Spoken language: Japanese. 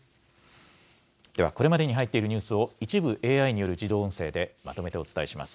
では、これまでに入っているニュースを、一部、ＡＩによる自動音声でまとめてお伝えします。